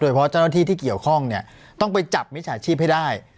เพราะเจ้าหน้าที่ที่เกี่ยวข้องเนี่ยต้องไปจับมิจฉาชีพให้ได้